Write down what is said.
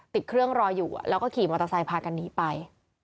ติดเครื่องรออยู่แล้วก็ขี่มอเตอร์ไซค์พากันหนีไป